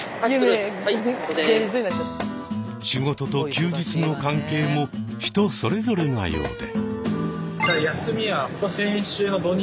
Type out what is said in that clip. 仕事と休日の関係も人それぞれなようで。